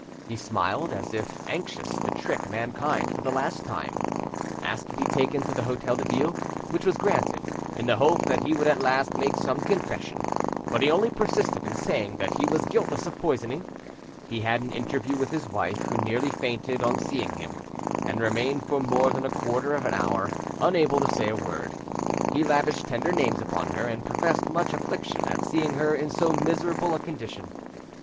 He smiled, and as if anxious to trick mankind for the last time, asked to be taken to the Hotel de Ville, which was granted, in the hope that he would at last make some confession; but he only persisted in saying that he was guiltless of poisoning. He had an interview with his wife, who nearly fainted on seeing him, and remained for more than a quarter of an hour unable to say a word. He lavished tender names upon her, and professed much affliction at seeing her in so miserable a condition.